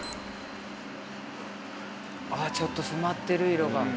「あっちょっと染まってる色が」